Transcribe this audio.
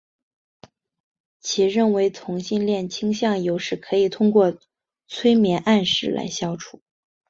其认为同性恋倾向有时可以通过催眠暗示来消除。